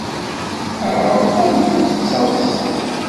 Ɛreḍ amek ur tettaḍsaḍ.